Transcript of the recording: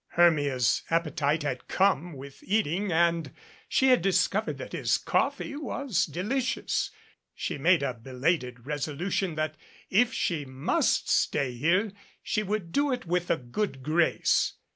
Hermia's appetite had come with eating and she had discovered that his coffee was delicious. She made a belated resolution that, if she must stay here, she would do it with a good grace.